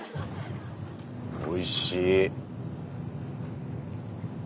おいしい。